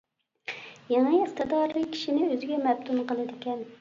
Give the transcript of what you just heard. يېڭى ئىقتىدارى كىشىنى ئۆزىگە مەپتۇن قىلىدىكەن.